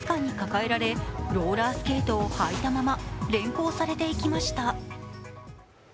男は両脇を警察官に抱えられ、ローラースケートをはいたまま連行されていきました。